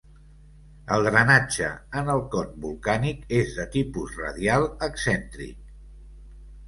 El drenatge en el con volcànic és de tipus radial excèntric.